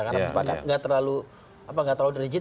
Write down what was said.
karena nggak terlalu rigid